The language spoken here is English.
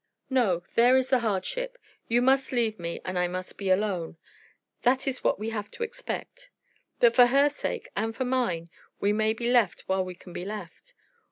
"No. There is the hardship. You must leave me, and I must be alone. That is what we have to expect. But for her sake, and for mine, we may be left while we can be left.